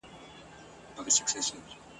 په مناسبت جشن جوړ کړي ..